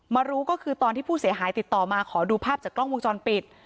รู้ก็คือตอนที่ผู้เสียหายติดต่อมาขอดูภาพจากกล้องวงจรปิด